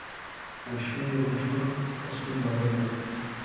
اشوين یو مشهور اسپن بالر دئ.